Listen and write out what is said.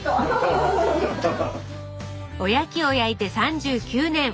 おやきを焼いて３９年。